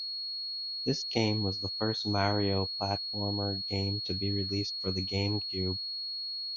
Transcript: This game was the first "Mario" platformer game to be released for the GameCube.